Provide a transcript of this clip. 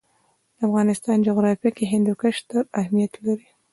د افغانستان جغرافیه کې هندوکش ستر اهمیت لري.